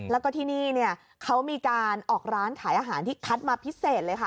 แล้วก็ที่นี่เขามีการออกร้านขายอาหารที่คัดมาพิเศษเลยค่ะ